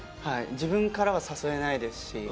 自分からは誘えないですし。